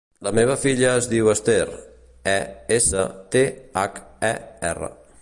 La meva filla es diu Esther: e, essa, te, hac, e, erra.